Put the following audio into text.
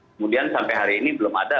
kemudian sampai hari ini belum ada